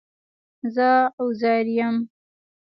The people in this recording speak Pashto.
زه عزير يم